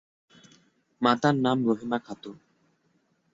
মাতার নাম রহিমা খাতুন।